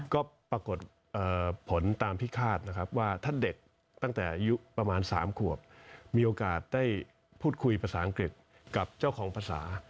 ก็ปรากฏผลตามที่คาดนะครับว่าถ้าเด็กตั้งแต่อายุประมาณ๓ขวบมีโอกาสได้พูดคุยภาษาอังกฤษกับเจ้าของภาษา